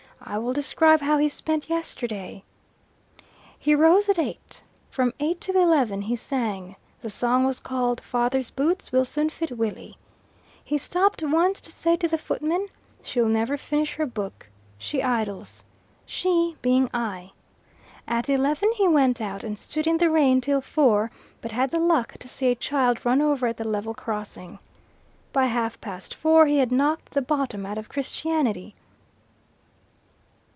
I will describe how he spent yesterday. He rose at eight. From eight to eleven he sang. The song was called, 'Father's boots will soon fit Willie.' He stopped once to say to the footman, 'She'll never finish her book. She idles: 'She' being I. At eleven he went out, and stood in the rain till four, but had the luck to see a child run over at the level crossing. By half past four he had knocked the bottom out of Christianity."